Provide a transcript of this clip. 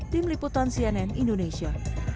tim liputan cnn indonesia